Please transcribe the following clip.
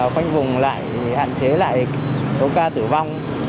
khoanh vùng lại hạn chế lại số ca tử vong